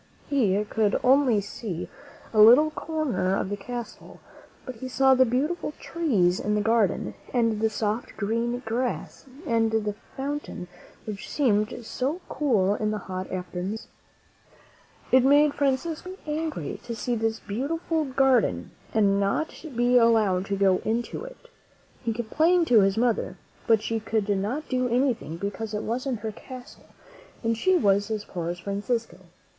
He could only see a little corner of the castle, but he saw the beautiful trees in the garden, and the soft, green grass and the fountain which seemed so cool in the hot afternoons. It made Francisco very angry to see this beautiful garden and not be allowed to go into it. He complained to his mother, but she could v^ 49 as; ii^: not do anything, because it wasn't her castle, and she was as poor as Francisco.